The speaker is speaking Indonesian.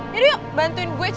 yaudah yuk bantuin gue ya